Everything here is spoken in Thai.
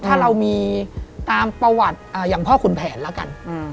ถ้าเรามีตามประวัติอย่างพ่อขุนแผนแล้วกัน